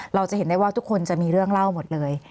เราจะเห็นได้ว่าทุกคนจะมีเรื่องเล่าหมดเลย